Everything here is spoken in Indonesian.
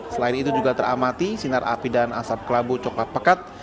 selain itu juga teramati sinar api dan asap kelabu coklat pekat